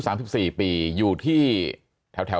มีความรู้สึกว่า